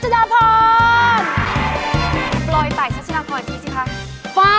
มีความรู้สึกว่า